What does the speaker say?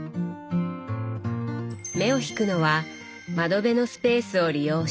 目を引くのは窓辺のスペースを利用した棚。